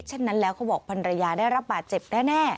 เช่นนั้นแล้วเขาบอกพันรยาได้รับบาดเจ็บแน่